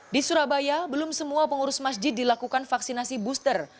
di surabaya belum semua pengurus masjid dilakukan vaksinasi booster